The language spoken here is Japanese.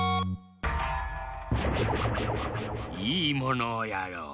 いいものをやろう。